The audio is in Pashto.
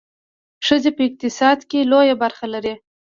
ښځې په اقتصاد کې لویه برخه لري.